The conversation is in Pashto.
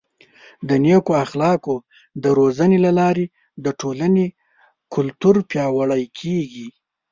د نیکو اخلاقو د روزنې له لارې د ټولنې کلتور پیاوړی کیږي.